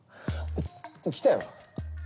来たよ！